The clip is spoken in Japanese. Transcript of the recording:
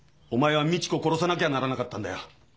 お前は美智子を殺さなきゃならなかったんだよ。